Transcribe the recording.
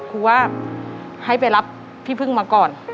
ครูว่าให้ไปรับพี่พึ่งมาก่อน